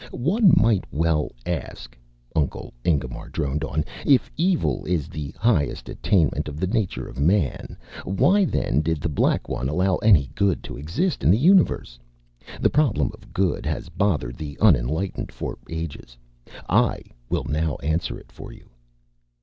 "One might well ask," Uncle Ingemar droned on, "if Evil is the highest attainment of the nature of man, why then did The Black One allow any Good to exist in the universe? The problem of Good has bothered the unenlightened for ages. I will now answer it for you."